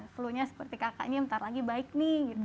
flunya seperti kakaknya nanti lagi baik nih